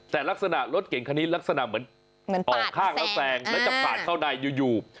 แต่ลักษณะรถเก่งคันนี้ลักษณะเหมือนออกข้างแล้วแซงแล้วจะผ่านเข้าในอยู่